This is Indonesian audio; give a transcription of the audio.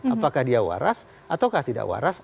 apakah dia waras ataukah tidak waras